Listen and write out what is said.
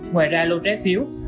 ngoài ra lô trái phiếu